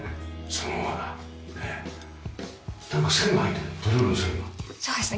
そうですね。